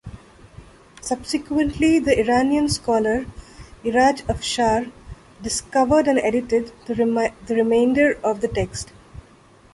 Subsequently, the Iranian scholar Iraj Afshar discovered and edited the remainder of the text.